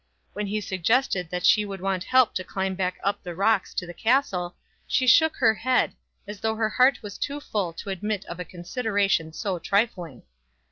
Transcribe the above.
When he suggested that she would want help to climb back up the rocks to the castle, she shook her head, as though her heart was too full to admit of a consideration so trifling.